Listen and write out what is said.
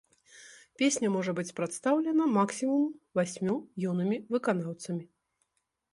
Песня можа быць прадстаўлена максімум васьмю юнымі выканаўцамі.